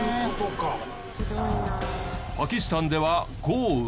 パキスタンでは豪雨。